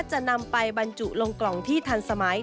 จะนำไปบรรจุลงกล่องที่ทันสมัย